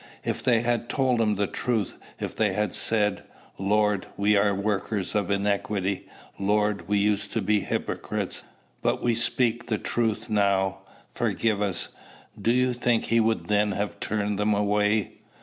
If they had told him the truth; if they had said, 'Lord, we are workers of iniquity; Lord, we used to be hypocrites, but we speak the truth now: forgive us,' do you think he would then have turned them away?